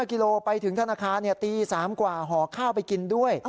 กิโลไปถึงธนาคารตี๓กว่าห่อข้าวไปกินด้วย